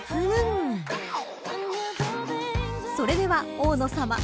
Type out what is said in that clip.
［それでは大野さま］